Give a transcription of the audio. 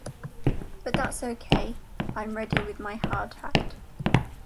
But that's okay-I'm ready with my hard hat.